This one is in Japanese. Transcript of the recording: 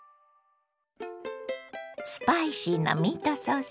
スパイシーなミートソース。